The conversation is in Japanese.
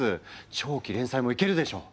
長期連載もいけるでしょう？